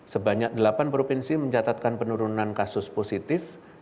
sebanyak delapan provinsi mencatatkan penurunan kasus positif